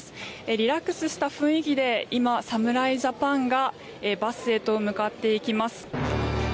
リラックスした雰囲気で今、侍ジャパンがバスへと向かっていきます。